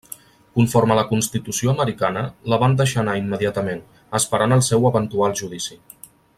Conforme a la constitució americana, la van deixar anar immediatament, esperant el seu eventual judici.